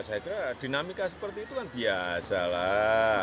saya kira dinamika seperti itu kan biasa lah